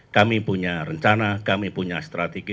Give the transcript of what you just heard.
kami punya rencana kami punya strategi